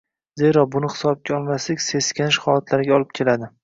Zero buni hisobga olmaslik seskanish holatlariga olib keladi.